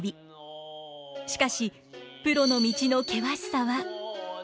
しかしプロの道の険しさは。